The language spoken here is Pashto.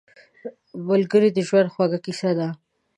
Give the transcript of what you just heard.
ملګری د ژوند خوږه کیسه ده